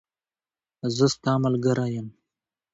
زه ستاملګری یم